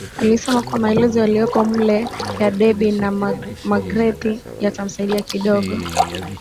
Alisema kuwa maelezo yaliyoko mule ya Debby na Magreth yatamsaidia kidogo